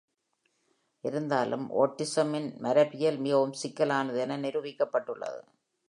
இருந்தாலும், autism-ன் மரபியல் மிகவும் சிக்கலானது என நிரூபிக்கப்பட்டுள்ளது.